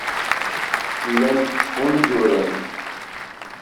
Llant ttfunzurent.